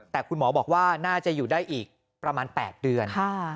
แต่คุณหมอบอกว่าน่าจะอยู่ได้อีกประมาณ๘เดือน